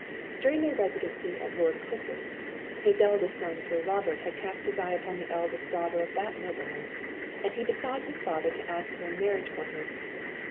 During their residence at Lord Clifford's, his eldest son Sir Robert had cast his eye upon the eldest daughter of that nobleman, and he besought his father to ask her in marriage for him.